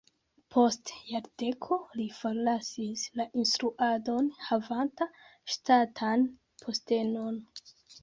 Post jardeko li forlasis la instruadon havanta ŝtatan postenon.